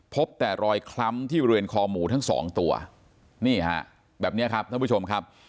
พบแต่รอยคล้ำที่บริเวณคอหมูทั้งสองตัวนี่ฮะแบบนี้ครับท่านผู้ชมครับ